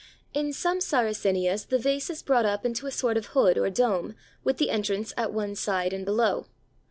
In some Sarracenias the vase is brought up into a sort of hood or dome with the entrance at one side and below.